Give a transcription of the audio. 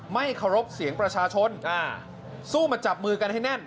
ไม่เคารพเสียงประชาชนสู้มาจับมือกันให้แน่น